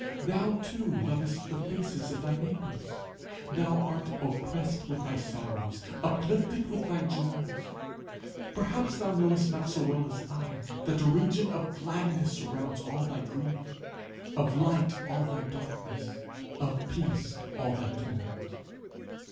Thou too lovest the faces of thy neighbours. Thou art oppressed with thy sorrows, uplifted with thy joys. Perhaps thou knowest not so well as I, that a region of gladness surrounds all thy grief, of light all thy darkness, of peace all thy tumult.